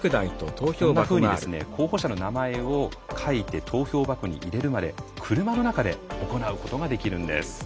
こんなふうに候補者の名前を書いて投票箱に入れるまで車の中で行うことができるんです。